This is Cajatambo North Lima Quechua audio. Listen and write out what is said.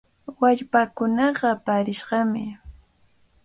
Wallpaakunaqa paarishqami.